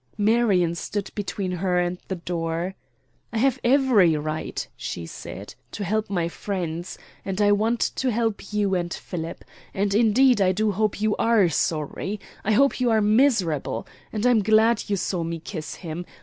Marion stood between her and the door. "I have every right," she said, "to help my friends, and I want to help you and Philip. And indeed I do hope you ARE sorry. I hope you are miserable. And I'm glad you saw me kiss him.